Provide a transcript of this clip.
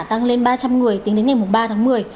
tăng lên ba trăm linh người tính đến ngày ba tháng một mươi